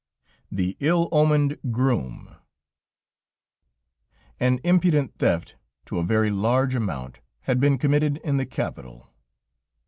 THE ILL OMENED GROOM An impudent theft, to a very large amount, had been committed in the Capital.